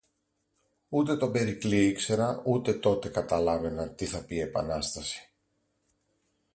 Ούτε τον Περικλή ήξερα ούτε τότε καταλάβαινα τι θα πει «Επανάσταση»